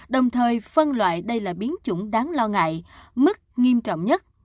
đồng thời phân loại đây là biến chủng đáng lo ngại mức nghiêm trọng nhất